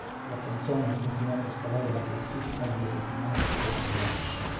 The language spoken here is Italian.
La canzone ha continuato a scalare la classifica nelle settimane successive.